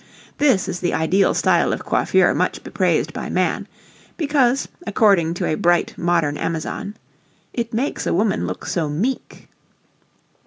This is the ideal style of coiffure much bepraised by man, because, according to a bright modern Amazon, "it makes a woman look so meek."